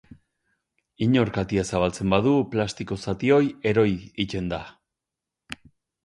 Inork atea zabaltzen badu plastiko zati hori erori egiten da.